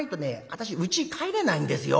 私うちに帰れないんですよ。